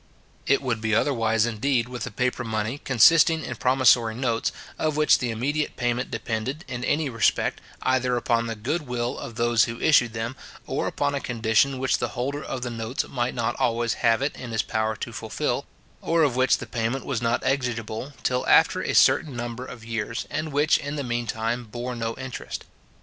It would be otherwise, indeed, with a paper money, consisting in promissory notes, of which the immediate payment depended, in any respect, either upon the good will of those who issued them, or upon a condition which the holder of the notes might not always have it in his power to fulfil, or of which the payment was not exigible till after a certain number of years, and which, in the mean time, bore no interest.